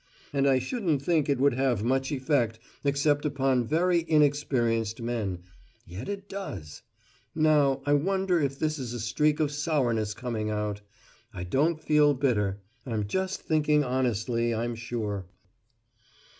And I shouldn't think it would have much effect except upon very inexperienced men yet it does! Now, I wonder if this is a streak of sourness coming out; I don't feel bitter I'm just thinking honestly, I'm sure.